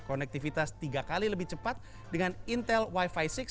konektivitas tiga kali lebih cepat dengan intel wifi enam